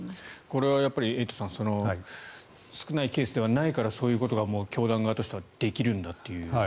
これはやっぱりエイトさん少ないケースではないからそういうことが教団側としてはできるんだという。